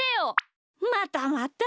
またまた。